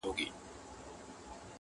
د هغه په زړه کي بل د میني اور وو٫